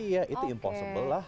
iya itu impossible lah